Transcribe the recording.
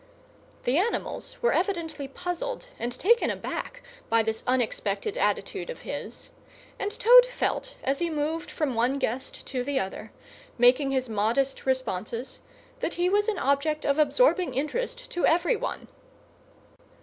The animals were evidently puzzled and taken aback by this unexpected attitude of his; and Toad felt, as he moved from one guest to the other, making his modest responses, that he was an object of absorbing interest to every one.